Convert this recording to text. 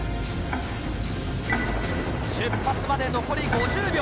出発まで残り５０秒。